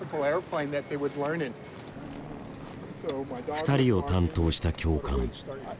２人を担当した教官。